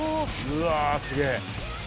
うわすげぇ。